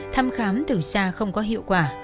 thăm khám từ xa không có hiệu quả